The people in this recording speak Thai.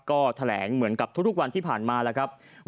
ก็แถลงเหมือนกับทุกวันที่ผ่านมาแล้วครับ